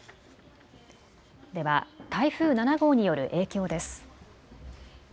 では台風７号による影響です。